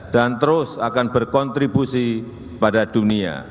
dan terus akan berkontribusi pada dunia